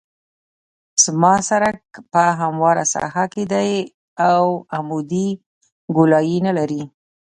زما سرک په همواره ساحه کې دی او عمودي ګولایي نلري